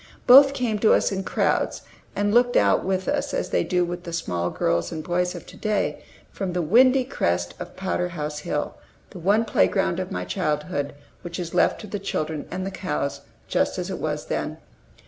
Both came to us in crowds, and looked out with us, as they do with the small girls and boys of to day, from the windy crest of Powder House Hill, the one playground of my childhood which is left to the children and the cows just as it was then.